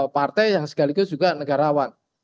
partai yang sekaligus juga negarawan